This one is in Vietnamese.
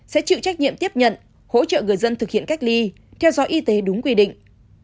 sẽ chịu trách nhiệm tiếp nhận hỗ trợ người dân thực hiện cách ly theo dõi y tế đúng quy định